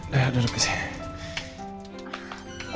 ya udah duduk di sini